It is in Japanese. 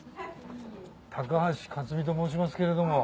高橋克実と申しますけれども。